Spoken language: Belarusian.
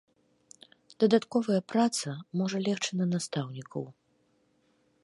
Дадатковая праца можа легчы на настаўнікаў.